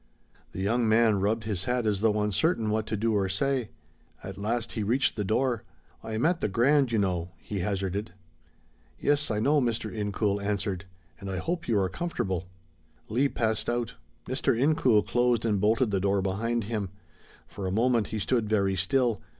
The young man rubbed his hat as though uncertain what to do or say. At last he reached the door, "I am at the Grand, you know," he hazarded. "Yes, I know," Mr. Incoul answered, "and I hope you are comfortable." Leigh passed out. Mr. Incoul closed and bolted the door behind him. For a moment he stood very still.